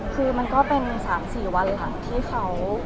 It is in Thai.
คือมันก็เป็น๓๔วันหลังที่เขา